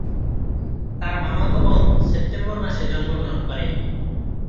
তার মামাতো বোন সেপ্টেম্বর মাসে জন্মগ্রহণ করে।